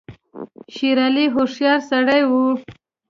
شېر علي هوښیار سړی وو.